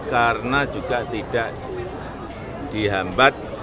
karena juga tidak dihambat